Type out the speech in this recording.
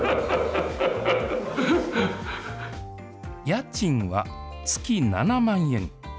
家賃は月７万円。